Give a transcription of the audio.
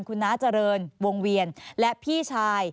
คุณน้าเจริญวงเวียนและพี่ชาย